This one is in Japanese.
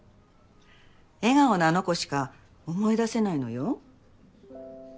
笑顔のあの子しか思い出せないのよ。